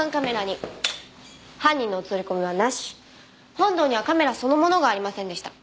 本堂にはカメラそのものがありませんでした。